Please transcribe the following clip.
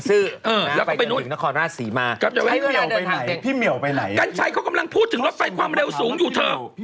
ถึงกลัวราชใช่แบบชว๊าปอย่างงี้